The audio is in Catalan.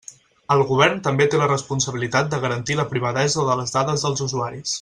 El govern també té la responsabilitat de garantir la privadesa de les dades dels usuaris.